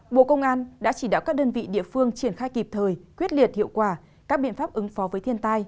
bộ công an đã chỉ đạo các đơn vị địa phương triển khai kịp thời quyết liệt hiệu quả các biện pháp ứng phó với thiên tai